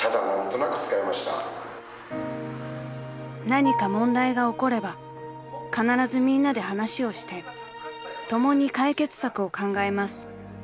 ［何か問題が起これば必ずみんなで話をして共に解決策を考えます］